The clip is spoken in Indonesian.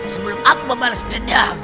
sebelum aku membalas dendam